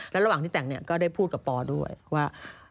แล้วระหว่างที่แต่งก็ได้พูดกับปอด้วยว่า